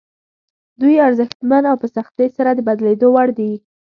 دوی ارزښتمن او په سختۍ سره د بدلېدو وړ دي.